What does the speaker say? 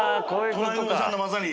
隣のおじさんがまさに。